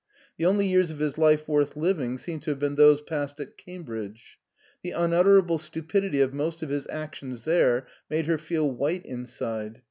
The only years of his life worth living seemed to have been those passed at Cambridge. The unutter able stupidity of most of his actions there made her feel white inside.